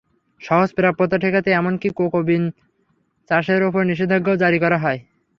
সহজ প্রাপ্যতা ঠেকাতে এমনকি কোকো বিন চাষের ওপর নিষেধাজ্ঞাও জারি করা হয়।